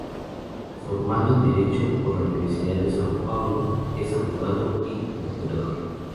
Formado en Derecho por la Universidad de São Paulo, es abogado y procurador.